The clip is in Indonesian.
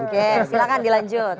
oke silahkan dilanjut